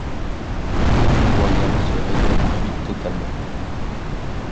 Ozio Royal se révèle ensuite totalement.